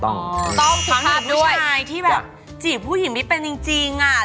ต้องสุภาพด้วยทั้งหรือผู้ชายที่แบบจีบผู้หญิงไม่เป็นจริงอ่ะ